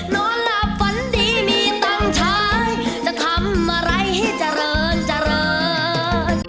นอนหลับฝันดีมีตังค์ใช้จะทำอะไรให้เจริญเจริญ